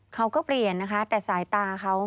เขาก็เปลี่ยนนะคะแต่สายตาเขา